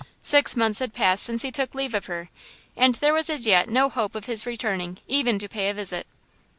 Six months had passed since he took leave of her, and there was as yet no hope of his returning even to pay a visit.